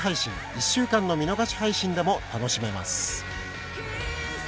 １週間の見逃し配信でも楽しめます。